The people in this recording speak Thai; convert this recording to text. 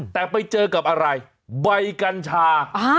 แต่ไปเจอกับอะไรใบกัญชา